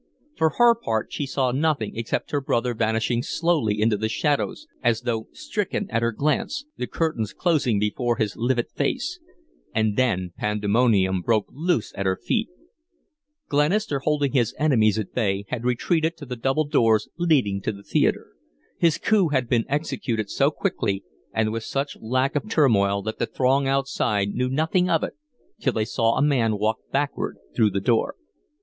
For her part, she saw nothing except her brother vanishing slowly into the shadows as though stricken at her glance, the curtains closing before his livid face and then pandemonium broke loose at her feet. Glenister, holding his enemies at bay, had retreated to the double doors leading to the theatre. His coup had been executed so quickly and with such lack of turmoil that the throng outside knew nothing of it till they saw a man walk backward through the door.